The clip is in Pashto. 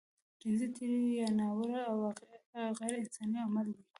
جنسي تېری يو ناوړه او غيرانساني عمل دی.